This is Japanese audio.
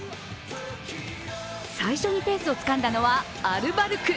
最初にペースをつかんだのはアルバルク。